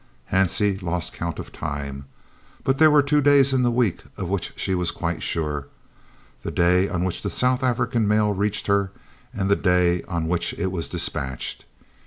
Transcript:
Hansie lost count of time, but there were two days in the week of which she was quite sure the day on which the South African mail reached her and the day on which it was dispatched.